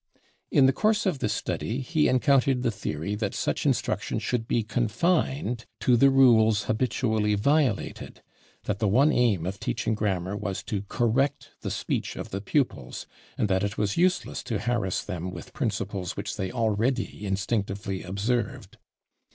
In the course of this study he encountered the theory that such instruction should be confined to the rules habitually violated that the one aim of teaching grammar was to correct the speech of the pupils, and that it was useless to harass them with principles which they already instinctively observed.